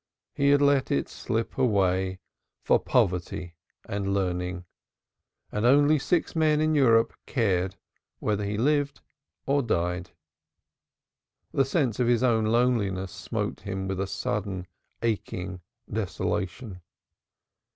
He had let it slip away for poverty and learning, and only six men in Europe cared whether he lived or died. The sense of his own loneliness smote him with a sudden aching desolation.